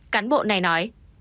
cán bộ này nói